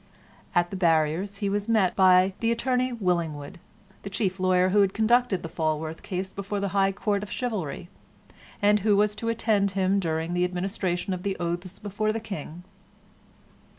At the barriers he was met by the attorney Willingwood, the chief lawyer who had conducted the Falworth case before the High Court of Chivalry, and who was to attend him during the administration of the oaths before the King.